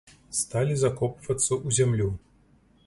Сталі закопвацца ў зямлю.